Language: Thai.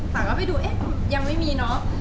แต่ก็ไปดูเอ๊ะยังไม่มีเนอะ